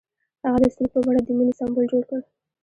هغه د سرود په بڼه د مینې سمبول جوړ کړ.